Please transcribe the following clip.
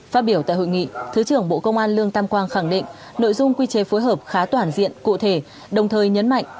phát biểu tại hội nghị thứ trưởng bộ công an lương tam quang khẳng định nội dung quy chế phối hợp khá toàn diện cụ thể đồng thời nhấn mạnh